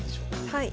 はい。